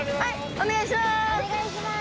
お願いします！